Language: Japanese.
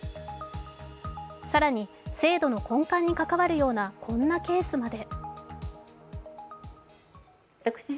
更に、制度の根幹に関わるようなこんなケースまで。